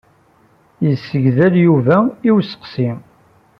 Yessegdel Yuba i useqsi.